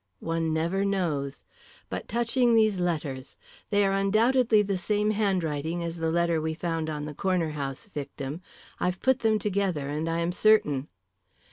One never knows. But touching these letters. They are undoubtedly the same handwriting as the letter we found on the Corner House victim. I've put them together, and I am certain."